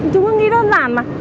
chúng nó nghĩ đơn giản mà